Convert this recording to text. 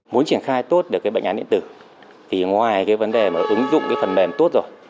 muốn triển khai tốt được cái bệnh án điện tử thì ngoài cái vấn đề mà ứng dụng cái phần mềm tốt rồi